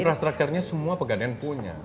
infrastructure nya semua pegadaian punya